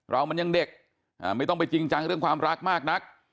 เรามันยังเด็กไม่ต้องไปจริงจังเรื่องความรักมากนัก